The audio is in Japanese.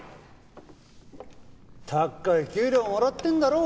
たっかい給料もらってんだろ？